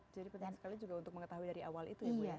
jadi penting sekali juga untuk mengetahui dari awal itu ya ibu ya